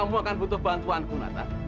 kamu akan butuh bantuanku nata